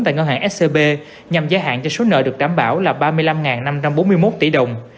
tại ngân hàng scb nhằm gia hạn cho số nợ được đảm bảo là ba mươi năm năm trăm bốn mươi một tỷ đồng